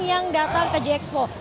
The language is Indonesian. yang datang ke jxpok